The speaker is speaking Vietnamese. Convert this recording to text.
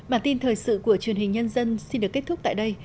bản tin thời sự của truyền hình nhân dân xin được kết thúc tại đây